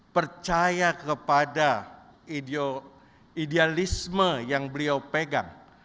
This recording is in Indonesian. percaya kepada idealisme yang beliau pegang